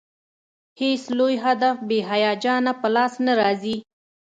هېڅ لوی هدف بې هیجانه په لاس نه راځي.